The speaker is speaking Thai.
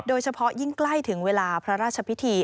โดยเฉพาะยิ่งใกล้ถึงเวลาพระราชพิธี